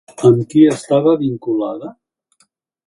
Amb qui estava vinculada?